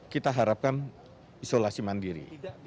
kita harapkan isolasi mandiri